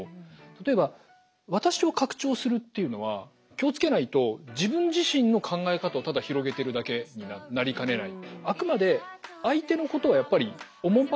例えば私を拡張するっていうのは気を付けないと自分自身の考え方をただ広げているだけになりかねない。